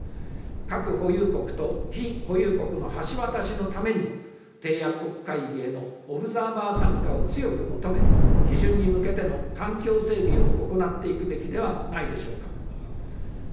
核保有国と非保有国の橋渡しのためにも、締約国会議へのオブザーバー参加を強く求め、批准に向けての環境整備を行っていくべきではないでしょうか。